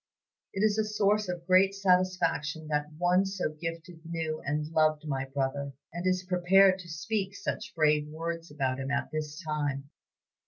It is a source of great satisfaction that one so gifted knew and loved my brother, and is prepared to speak such brave words about him at this time.